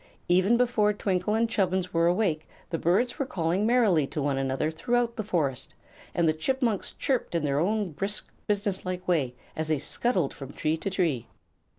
Even before Twinkle and Chubbins were awake the birds were calling merrily to one another throughout the forest, and the chipmonks chirped in their own brisk, businesslike way as they scuttled from tree to tree.